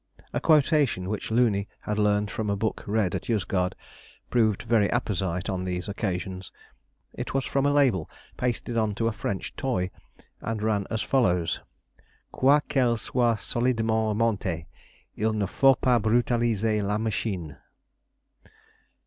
A quotation which Looney had learnt from a book read at Yozgad proved very apposite on these occasions. It was from a label pasted on to a French toy, and ran as follows: "Quoi qu'elle soit solidement montée, il ne faut pas brutaliser la machine!"